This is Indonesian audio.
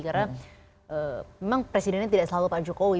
karena memang presidennya tidak selalu pak jokowi